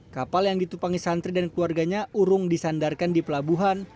kapal yang ditupangi santri dan keluarganya urung disandarkan di pelabuhan